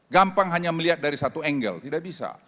gampang hanya melihat dari satu angle tidak bisa